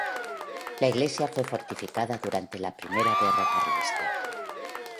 La iglesia fue fortificada durante la Primera Guerra Carlista.